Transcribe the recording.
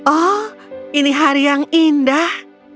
oh ini hari yang indah